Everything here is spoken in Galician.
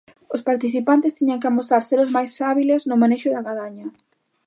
Os participantes tiñan que amosar ser os máis hábiles no manexo da gadaña.